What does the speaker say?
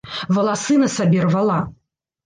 Валасы на сабе рвала.